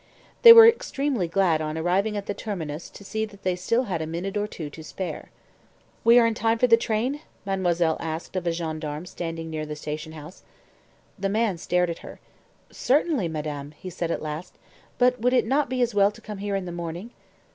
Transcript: They were extremely glad on arriving at the terminus to see that they had still a minute or two to spare. "We are in time for the train?" mademoiselle asked of a gendarme standing near the station house. The man stared at her. "Certainly, madame," he said at last; "but would it not be as well to come here in the morning?"